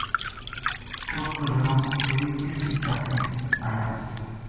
اس کو جنو چھری تِرِکھی کر کے ایا